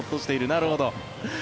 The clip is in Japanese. なるほど。